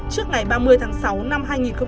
trước ngày ba mươi tháng sáu năm hai nghìn một mươi bảy